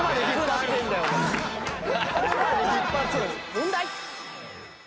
問題。